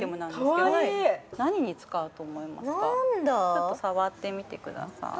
ちょっと触ってみてください